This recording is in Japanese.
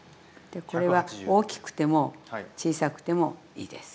これは大きくても小さくてもいいです。